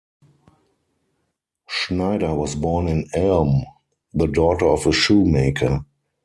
Schneider was born in Elm, the daughter of a shoemaker.